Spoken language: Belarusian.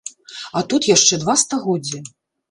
А тут яшчэ два стагоддзі!